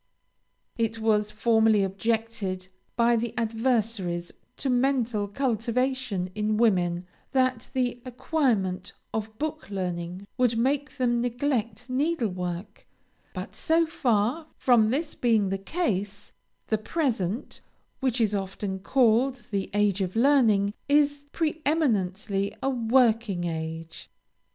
It was formerly objected by the adversaries to mental cultivation in women, that the acquirement of book learning would make them neglect needlework; but so far from this being the case, the present, which is often called the age of learning, is preëminently a working age.